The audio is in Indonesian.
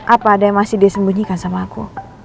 apa ada yang masih disembunyikan sama aku